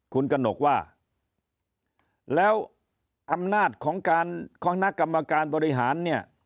คุณกระหนกบอกว่าแล้วอำนาจของคณะกรรมการบริหาร